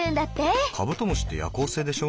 カブトムシって夜行性でしょ？